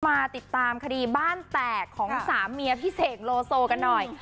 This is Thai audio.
มาติดตามคดีบ้านแตกของสามเมียพี่เสกโลโซกันหน่อย